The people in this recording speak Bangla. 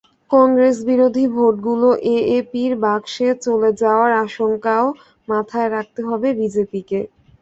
কংগ্রেসবিরোধী ভোটগুলো এএপির বাক্সে চলে যাওয়ার আশঙ্কাও মাথায় রাখতে হবে বিজেপিকে।